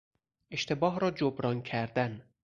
اشتباه را جبران کردن